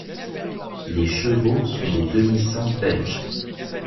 Les chevaux sont des demi-sang belges.